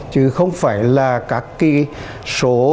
chứ không phải là các cái số